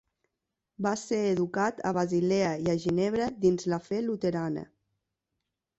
Va ser educat a Basilea i a Ginebra dins la fe luterana.